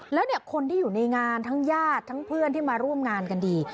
แล้วเนี่ยคนที่อยู่ในงานทั้งญาติทั้งเพื่อนที่มาร่วมงานกันดี